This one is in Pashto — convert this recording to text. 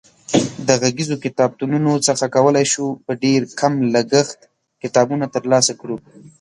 د غږیزو کتابتونونو څخه کولای شو په ډېر کم لګښت کتابونه ترلاسه کړو.